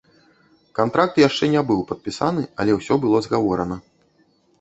Кантракт яшчэ не быў падпісаны, але ўсё было згаворана.